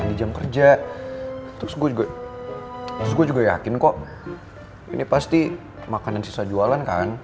terus gue juga yakin kok ini pasti makanan sisa jualan kan